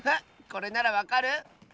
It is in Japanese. これならわかる？